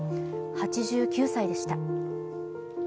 ８９歳でした。